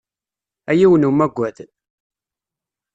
A yiwen amagad!